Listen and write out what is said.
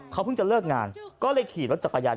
เขาเพิ่งจะเลิกงานก็เลยขี่รถจักรยาน